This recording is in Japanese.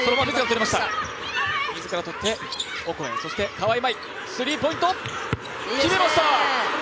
川井麻衣、スリーポイント決めました！